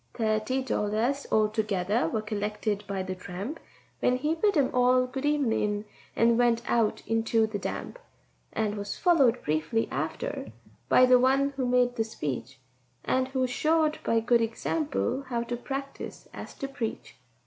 Thirty dollars altogether were collected by the tramp, When he bid 'em all good evenin' and went out into the damp, And was followed briefly after by the one who made the speech, And who showed by good example how to practise as to preach.